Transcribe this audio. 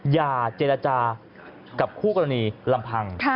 อย่าเจรจากับคู่กรณีลำพัง